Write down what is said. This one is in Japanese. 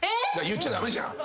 言っちゃ駄目じゃん。